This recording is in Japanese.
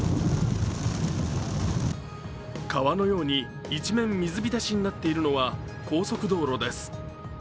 川のように一面水浸しになっているのは高速道路です。